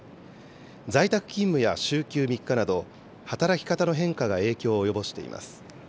在宅勤務や週休３日など、働き方の変化が影響を及ぼしています。